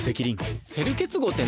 セル結合って何？